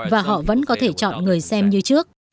và họ vẫn có thể chọn người xem như trước